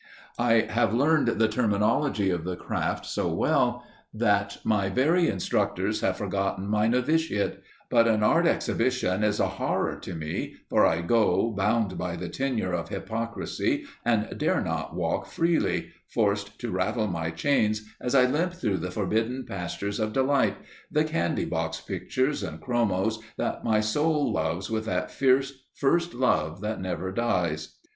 I have learned the terminology of the craft so well that my very instructors have forgotten my novitiate; but an art exhibition is a horror to me, for I go bound by the tenure of hypocrisy and dare not walk freely, forced to rattle my chains as I limp through the forbidden pastures of delight the candy box pictures and chromos that my soul loves with that fierce first love that never dies.